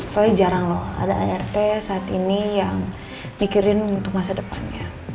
soalnya jarang loh ada art saat ini yang mikirin untuk masa depannya